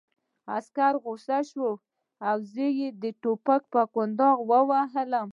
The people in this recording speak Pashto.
عسکر غوسه شول او زه یې د ټوپک په کونداغ ووهلم